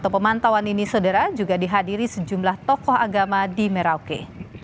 pemantauan ini sedera juga dihadiri sejumlah tokoh agama di merauke